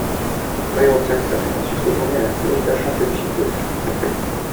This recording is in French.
Byron Saxton est ensuite retourné à la Florida Championship Wrestling.